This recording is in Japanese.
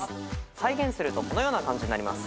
再現するとこのような感じになります。